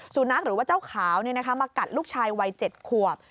สุนัขหรือว่าเจ้าขาวมากัดลูกชายวัย๗ขวบ